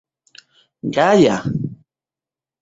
Gaja?